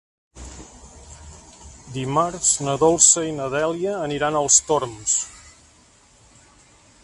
Dimarts na Dolça i na Dèlia aniran als Torms.